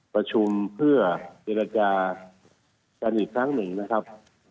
ประชุมเพื่อเย็นประกาศการอีกครั้งหนึ่งนะครับ